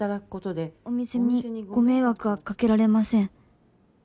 「お店にご迷惑はかけられません」